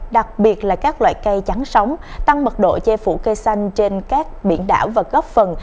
đặc biệt là các loài cây trắng sống tăng mật độ chê phủ cây xanh trên các biển đảo và góp phần